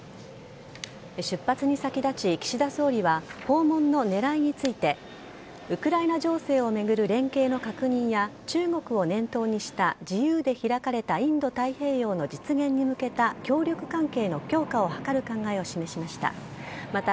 出発に先立ち、岸田総理は訪問の狙いについてウクライナ情勢を巡る連携の確認や中国を念頭にした自由で開かれたインド太平洋の実現に向けた協力関係の強化を図る考えを示しました。